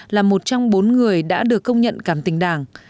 là một trong bốn người đã được công nhận cảm tình đảng